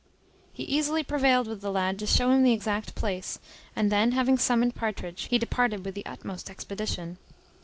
He easily prevailed with the lad to show him the exact place, and then having summoned Partridge, he departed with the utmost expedition.